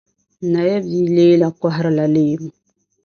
Nayi bia Leela kɔhirila leemu.